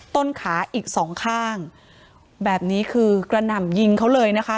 ต้นขาอีกสองข้างแบบนี้คือกระหน่ำยิงเขาเลยนะคะ